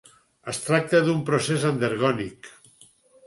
Es tracta d'un procés endergònic.